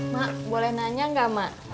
mak boleh nanya nggak mak